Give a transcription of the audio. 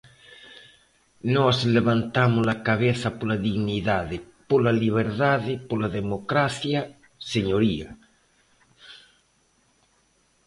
Nós levantamos a cabeza pola dignidade, pola liberdade, pola democracia, señoría.